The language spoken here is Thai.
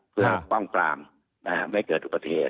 เพื่อป้องฟรรมฯไม่เกิดทุกประเทศ